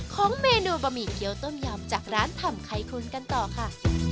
ของเมนูบะหมี่เกี้ยวต้มยำจากร้านถ่ำไคคุณกันต่อค่ะ